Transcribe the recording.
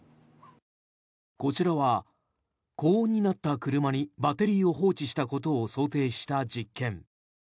こちらは高温になった車にバッテリーを放置したことを想定した実験。